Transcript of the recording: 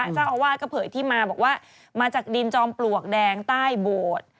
เจ้าอาวาสก็เผยที่มาบอกว่ามาจากดินจอมปลวกแดงใต้โบสถ์